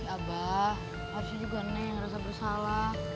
abah harusnya juga nih ngerasa bersalah